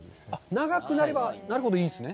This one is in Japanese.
長くなればなるほどいいんですね。